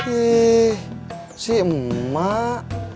ih si emak